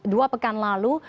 dua pekan lalu